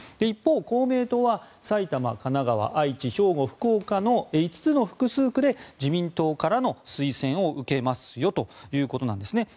一方、公明党は埼玉、神奈川、愛知兵庫、福岡の５つの複数区で自民党からの推薦を受けますよということなんです。